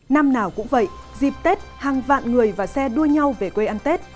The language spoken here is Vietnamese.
năm nào cũng vậy dịp tết hàng vạn người và xe đua nhau về quê ăn tết